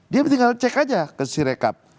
dia tinggal cek aja ke si rekap